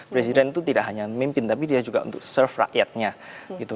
presiden itu tidak hanya memimpin tapi dia juga untuk serve rakyatnya gitu